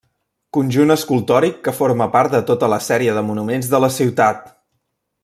Conjunt escultòric que forma part de tota la sèrie de monuments de la ciutat.